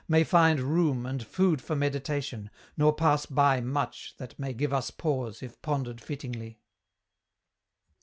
may find room And food for meditation, nor pass by Much, that may give us pause, if pondered fittingly.